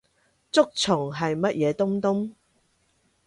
竹蟲係乜嘢東東？